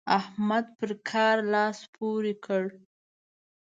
احمد پر کار لاس پورې کړ.